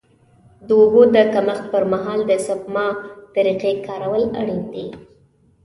د اوبو د کمښت پر مهال د سپما طریقې کارول اړین دي.